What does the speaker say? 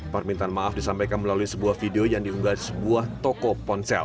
permintaan maaf disampaikan melalui sebuah video yang diunggah sebuah toko ponsel